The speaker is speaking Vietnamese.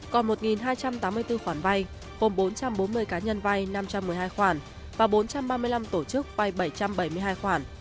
còn một hai trăm tám mươi bốn khoản vay gồm bốn trăm bốn mươi cá nhân vay năm trăm một mươi hai khoản và bốn trăm ba mươi năm tổ chức vay bảy trăm bảy mươi hai khoản